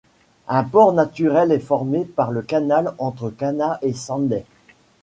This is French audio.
Un port naturel est formé par le canal entre Canna et Sanday.